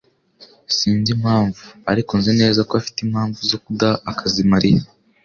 Sinzi impamvu, ariko nzi neza ko afite impamvu zo kudaha akazi Mariya.